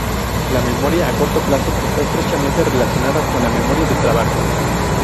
La memoria a corto plazo está estrechamente relacionada con la memoria de trabajo.